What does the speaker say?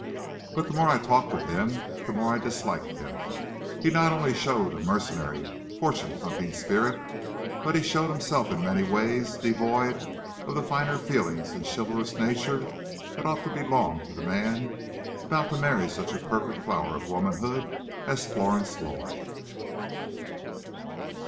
But the more I talked with him, the more I disliked him: He not only showed a mercenary, fortune hunting spirit, but he showed himself in many ways devoid of the finer feelings and chivalrous nature that ought to belong to the man about to marry such a perfect flower of womanhood as Florence Lloyd.